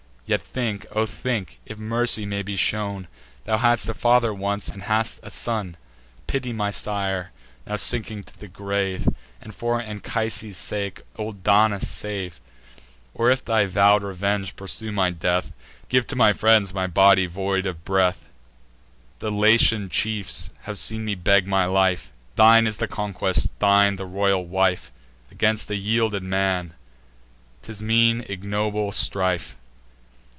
Yet think, O think, if mercy may be shown, Thou hadst a father once, and hast a son. Pity my sire, now sinking to the grave; And for Anchises' sake old Daunus save! Or, if thy vow'd revenge pursue my death, Give to my friends my body void of breath! The Latian chiefs have seen me beg my life; Thine is the conquest, thine the royal wife: Against a yielded man, 'tis mean ignoble strife."